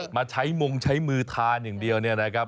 มาใช้มงใช้มือทานอย่างเดียวเนี่ยนะครับ